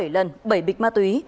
bảy lần bảy bịch ma túy